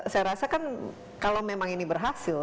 saya rasa kan kalau memang ini berhasil